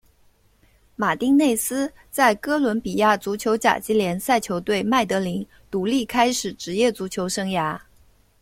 马丁内斯在哥伦比亚足球甲级联赛球队麦德林独立开始职业足球生涯。